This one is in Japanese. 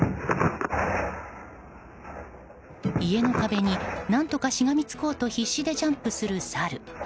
家の壁に何とかしがみつこうと必死でジャンプするサル。